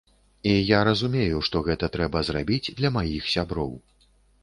І я разумею, што гэта трэба зрабіць для маіх сяброў.